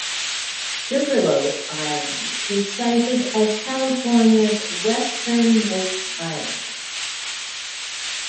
Sugarloaf Island is cited as California's westernmost island.